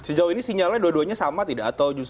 sejauh ini sinyalnya dua duanya sama tidak